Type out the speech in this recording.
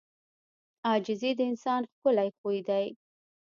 • عاجزي د انسان ښکلی خوی دی.